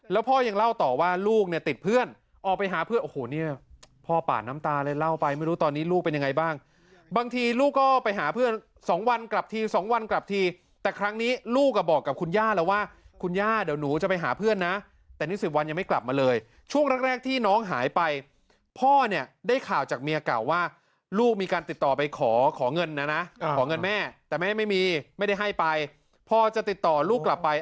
แล้วพ่อยังเล่าต่อว่าลูกเนี่ยติดเพื่อนออกไปหาเพื่อนโอ้โหเนี่ยพ่อปาดน้ำตาเลยเล่าไปไม่รู้ตอนนี้ลูกเป็นยังไงบ้างบางทีลูกก็ไปหาเพื่อน๒วันกลับที๒วันกลับทีแต่ครั้งนี้ลูกก็บอกกับคุณย่าแล้วว่าคุณย่าเดี๋ยวหนูจะไปหาเพื่อนนะแต่นี่๑๐วันยังไม่กลับมาเลยช่วงแรกที่น้องหายไปพ่อเนี่ยได้ข่า